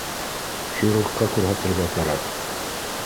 Хирургка күрһәтергә кәрәк